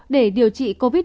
để điều trị covid một mươi chín